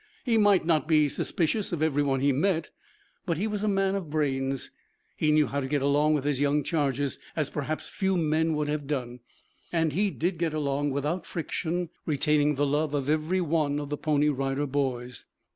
He might not be suspicious of every one he met, but he was a man of brains. He knew how to get along with his young charges, as perhaps few men would have done. And he did get along, without friction, retaining the love of every one of the Pony Rider Boys.